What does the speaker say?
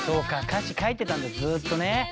歌詞書いてたんだずっとね。